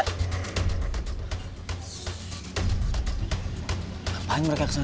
apaan mereka kesana